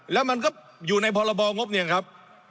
แล้วมันก็อยู่ในพรบงบเนี่ยครับ